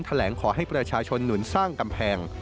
ขอให้ประชาชนหนุนสร้างกำแพง